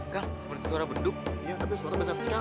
kang tidak seperti biasanya